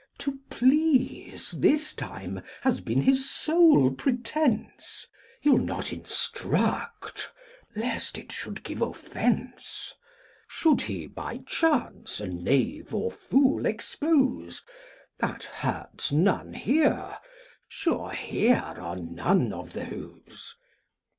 To please, this time, has been his sole pretence, He'll not instruct, lest it should give offence. Should he by chance a knave or fool expose, That hurts none here, sure here are none of those.